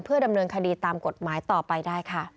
ดำเนินคดีตามกฎหมายต่อไปได้ค่ะ